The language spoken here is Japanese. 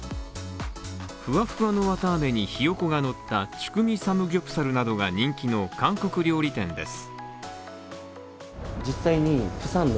ふわふわの綿あめにひよこがのったチュクミサムギョプサルなどが人気の韓国料理店です。